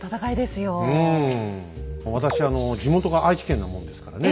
私あの地元が愛知県なもんですからね